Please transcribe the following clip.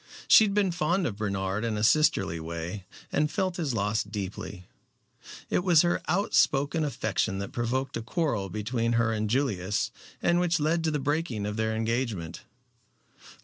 She had been fond of Bernard in a sisterly way, and felt his loss deeply. It was her outspoken affection that provoked a quarrel between her and Julius, and which led to the breaking of their engagement.